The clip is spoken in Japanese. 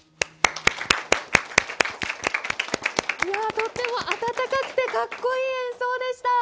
とっても温かくてかっこいい演奏でした。